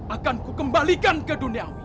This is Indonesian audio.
akanku kembalikan ke duniawi